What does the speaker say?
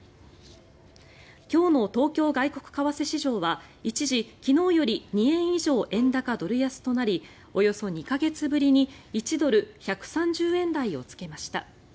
今日の東京外国為替市場は一時、昨日より２円以上円高・ドル安となりおよそ２か月ぶりに１ドル＝１３０円台をつけました。